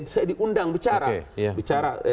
saya diundang bicara